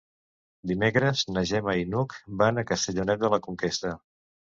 Dimecres na Gemma i n'Hug van a Castellonet de la Conquesta.